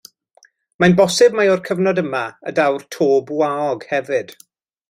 Mae'n bosib mai o'r cyfnod yma y daw'r to bwaog hefyd.